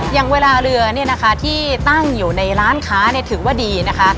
อย่างเวลาเรือเนี่ยนะคะที่ตั้งอยู่ในร้านค้าถือว่าดีนะคะ